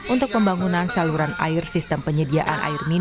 untuk pembangunan saluran air sistem penyediaan air minum